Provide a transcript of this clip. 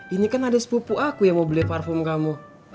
ini kan ada sepupu aku yang mau beli parfum kamu